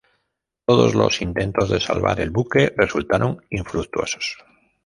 Todos los intentos de salvar el buque resultaron infructuosos.